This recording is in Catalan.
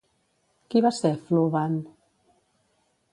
Qui va ser Floovant?